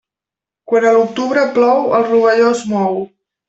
Quan a l'octubre plou, el rovelló es mou.